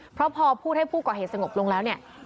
เพราะพอพูดให้ผู้ก่อเหตุสงบลงแล้วเนี่ย